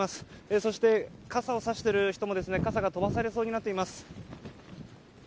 そして、傘をさしている人も傘が飛ばされそうになっています。